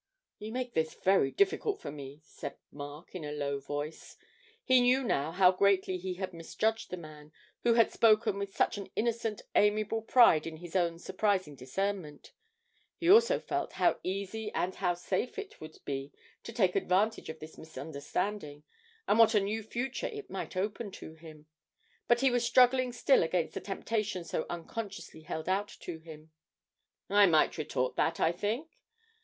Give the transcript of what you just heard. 'You make this very difficult for me,' said Mark, in a low voice; he knew now how greatly he had misjudged the man, who had spoken with such an innocent, amiable pride in his own surprising discernment; he also felt how easy and how safe it would be to take advantage of this misunderstanding, and what a new future it might open to him but he was struggling still against the temptation so unconsciously held out to him. 'I might retort that, I think.